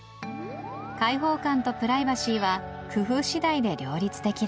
開放感とプライバシーは工夫次第で両立できる